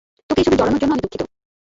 তোকে এসবে জড়ানোর জন্য আমি দুঃখিত।